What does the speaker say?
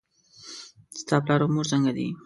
ستا پلار او مور څنګه دي؟